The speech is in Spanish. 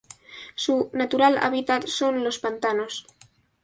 Su natural hábitat son los pantanos.